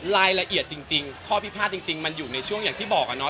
รายละเอียดจริงข้อพิพาทจริงมันอยู่ในช่วงอย่างที่บอกอะเนาะ